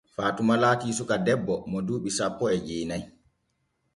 Faatuma laati suka debbo mo duuɓi sanpo e jeena'i.